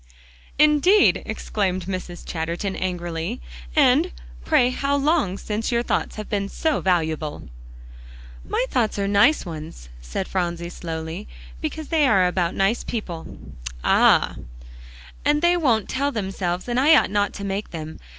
"Indeed!" exclaimed Mrs. Chatterton angrily, "and pray how long since your thoughts have been so valuable?" "My thoughts are nice ones," said Phronsie slowly, "because they are about nice people." "Ah!" "And they won't tell themselves. And I ought not to make them.